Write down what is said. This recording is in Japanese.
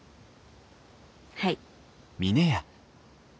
はい。